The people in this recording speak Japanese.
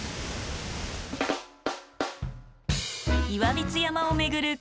岩櫃山を巡る